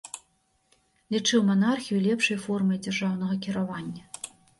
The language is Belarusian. Лічыў манархію лепшай формай дзяржаўнага кіравання.